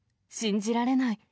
信じられない。